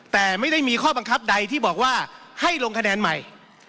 แต่ไม่ได้มีข้อบังคับใดที่บอกว่าให้ลงคะแนนใหม่